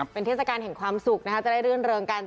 เป็นเทศกาลแห่งความสุขนะคะจะได้รื่นเริงกัน